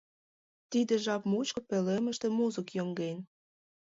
Тиде жап мучко пӧлемыште музык йоҥген.